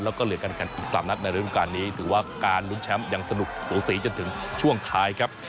แล้วก็เหลือการแข่งอีก๓นัดในฤดูการนี้ถือว่าการลุ้นแชมป์ยังสนุกสูสีจนถึงช่วงท้ายครับ